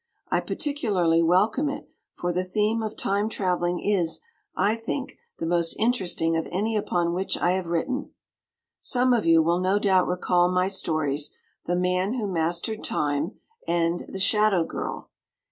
I particularly welcome it, for the theme of Time traveling is, I think, the most interesting of any upon which I have written. Some of you will no doubt recall my stories "The Man Who Mastered Time" and "The Shadow Girl."